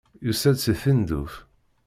Yusa-d seg Tinduf.